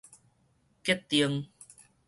結 𠕇